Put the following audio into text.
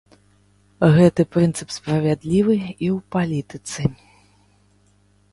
Гэты прынцып справядлівы і ў палітыцы.